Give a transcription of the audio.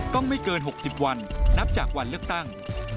ไม่เกิน๖๐วันนับจากวันเลือกตั้ง